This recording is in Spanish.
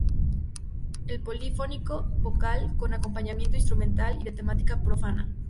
Es polifónico, vocal, con acompañamiento instrumental y de temática profana.